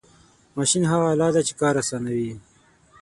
ماشین هغه آله ده چې کار آسانوي.